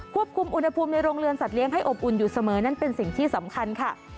ควบคุมอุณหภูมิในโรงเรือนสัตเลี้ยให้อบอุ่นอยู่เสมอนั่นเป็นสิ่งที่สำคัญค่ะ